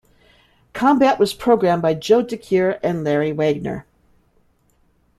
Combat was programmed by Joe Decuir and Larry Wagner.